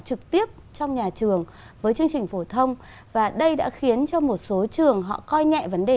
trực tiếp trong nhà trường với chương trình phổ thông và đây đã khiến cho một số trường họ coi nhẹ vấn đề